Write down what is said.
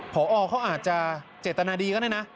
พอเขาอาจจะเจตนาดีก็ได้นะ